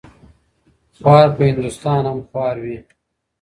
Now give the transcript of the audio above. خوار په هندوستان هم خوار وي